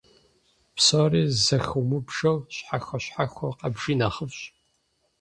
Псори зэхыумыбжэу, щхьэхуэ-щхьэхуэу къэбжи нэхъыфӏщ.